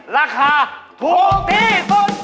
ราคาถูกที่สุด